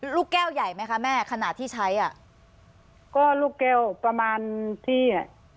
ลูกแก้วใหญ่ไหมคะแม่ขณะที่ใช้อ่ะก็ลูกแก้วประมาณที่อ่ะ